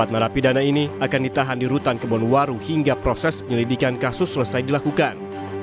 empat narapidana ini akan ditahan di rutan kebonwaru hingga proses penyelidikan kasus selesai dilakukan